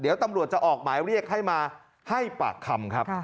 เดี๋ยวตำรวจจะออกหมายเรียกให้มาให้ปากคำครับ